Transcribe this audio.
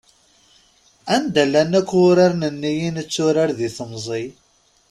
Anda llan akk wuraren-nni i netturar di temẓi?